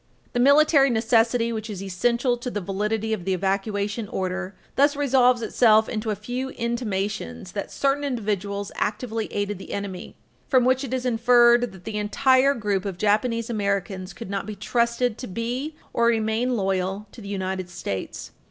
[Footnote 3/13] The military necessity which is essential to the validity of the evacuation order thus resolves itself into a few intimations that certain individuals actively aided the enemy, from which it is inferred that the entire group of Japanese Americans could not be trusted to be or remain loyal to the United States.